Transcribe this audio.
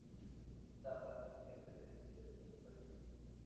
Ixtapa tiene presencia de dos países.